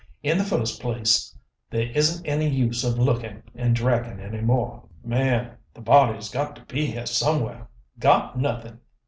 In the first place, there isn't any use of looking and dragging any more." "But man, the body's got to be here somewhere." "Got, nothing!